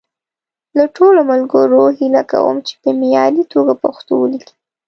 له ټولو ملګرو هیله کوم چې په معیاري توګه پښتو وليکي.